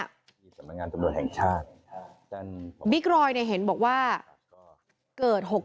งานตำรวจหนชาติบิ๊กรอยแบบเข็นออกว่าก็เกิดหก